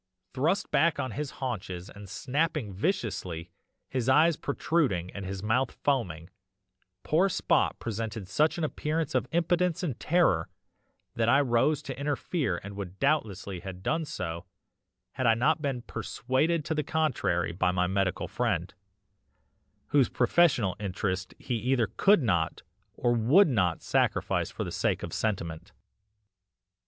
"Thrust back on his haunches and snapping viciously, his eyes protruding and his mouth foaming, poor Spot presented such an appearance of impotence and terror that I rose to interfere and would doubtless have done so, had I not been persuaded to the contrary by my medical friend, whose professional interests he either could not or would not sacrifice for the sake of sentiment.